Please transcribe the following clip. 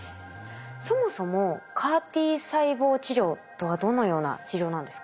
そもそもＣＡＲ−Ｔ細胞治療とはどのような治療なんですか？